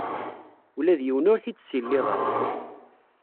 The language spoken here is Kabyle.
Ula d yiwen ur t-id-ssiliɣeɣ.